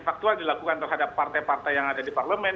faktual dilakukan terhadap partai partai yang ada di parlemen